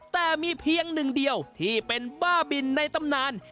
แต่มีเพียงหนึ่งเดียวที่เป็นบ้าบินในตำนาน